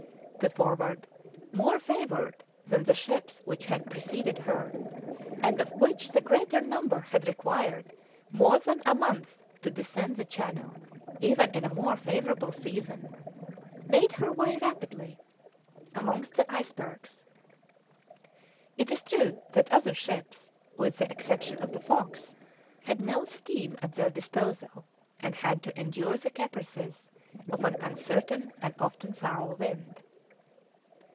The Forward, more favoured than the ships which had preceded her, and of which the greater number had required more than a month to descend the channel, even in a more favourable season, made her way rapidly amongst the icebergs; it is true that other ships, with the exception of the Fox, had no steam at their disposal, and had to endure the caprices of an uncertain and often foul wind.